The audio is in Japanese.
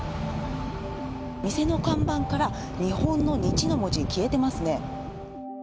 店の看板から日本の日の文字、消えてますね。